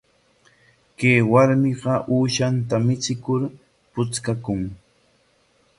Chay warmiqa uushanta michikur puchkakun.